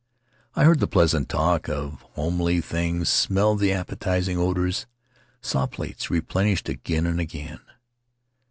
I heard the pleasant talk of homely things, smelled the appetizing odors, saw plates replenished again and again.